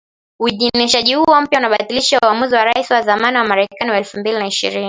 Uidhinishaji huo mpya unabatilisha uamuzi wa Rais wa zamani wa Marekani wa elfu mbili na ishirini